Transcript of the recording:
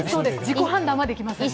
自己判断はできません。